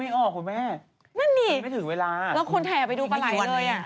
ไม่ออกคุณแม่ไม่ถึงเวลาอะไม่มีวันไหนแล้วคุณถ่ายออกไปดูปลาไหล่เลยอะ